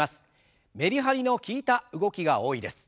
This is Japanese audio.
メリハリの利いた動きが多いです。